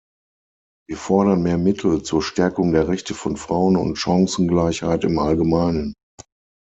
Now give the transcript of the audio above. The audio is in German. Wir fordern mehr Mittel zur Stärkung der Rechte von Frauen und Chancengleichheit im Allgemeinen.